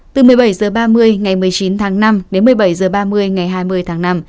từ một mươi bảy h ba mươi ngày một mươi chín tháng năm đến một mươi bảy h ba mươi ngày hai mươi tháng năm